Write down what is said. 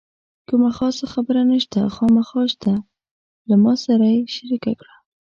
کومه خاصه خبره نشته، خامخا شته له ما سره یې شریکه کړه.